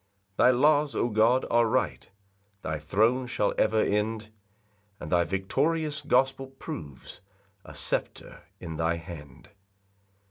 4 Thy laws, O God, are right; Thy throne shall ever end; And thy victorious gospel proves A sceptre in thy hand.